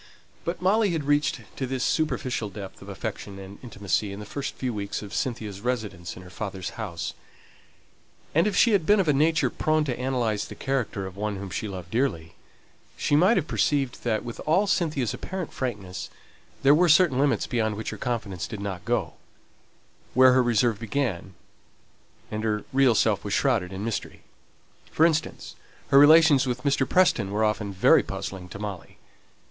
But Molly had reached to this superficial depth of affection and intimacy in the first few weeks of Cynthia's residence in her father's house; and if she had been of a nature prone to analyse the character of one whom she loved dearly, she might have perceived that, with all Cynthia's apparent frankness, there were certain limits beyond which her confidence did not go; where her reserve began, and her real self was shrouded in mystery. For instance, her relations with Mr. Preston were often very puzzling to Molly.